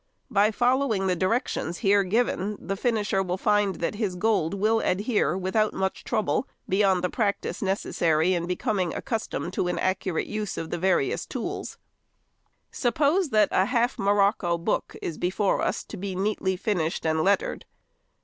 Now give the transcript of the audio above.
By following the directions here given the finisher will find that his gold will adhere without much trouble, beyond the practice necessary in becoming accustomed to an accurate use of the various tools. |127| Suppose that a half morocco book is before us to be neatly finished and lettered.